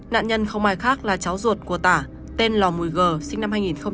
nạn nhân không ai khác là cháu ruột của tả tên lò mùi gờ sinh năm hai nghìn